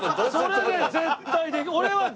それで絶対できる。